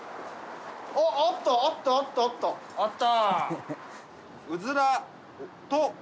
あった。